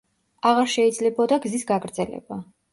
აღარ შეიძლებოდა გზის გაგრძელება.